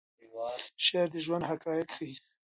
شعر د ژوند حقایق ښیي.